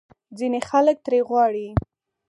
ځینې خلک ترې غواړي